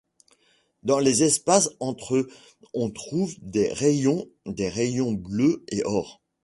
Dans les espaces entre on trouve des rayons des rayons bleus et or.